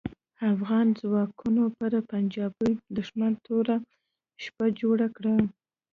افغان ځواکونو پر پنجاپي دوښمن توره شپه جوړه کړه.